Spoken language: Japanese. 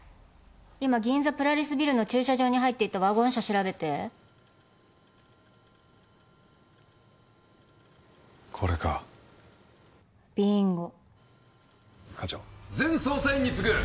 今銀座プラリスビルの駐車場に入っていったワゴン車調べてこれかビンゴ課長全捜査員に告ぐ！